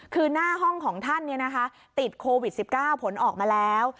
คือหน้าห้องของท่านติดโควิด๑๙ผลออกมาแล้ว